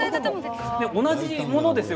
同じものですよ。